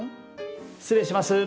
失礼します。